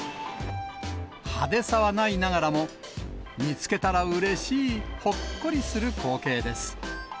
派手さはないながらも、見つけたらうれしい、ほっこりする光景です。